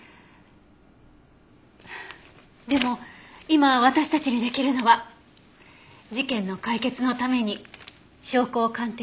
でも今私たちにできるのは事件の解決のために証拠を鑑定するだけよ。